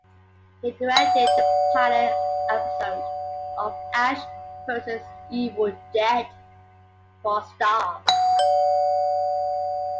He directed the pilot episode of "Ash versus Evil Dead" for Starz.